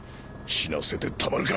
死なせてたまるか！